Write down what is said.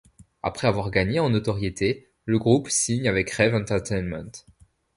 Après avoir gagné en notoriété, le groupe signe avec Reve Entertainment.